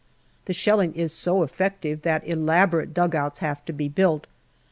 The shelling is so effective that elaborate dugouts have to be built.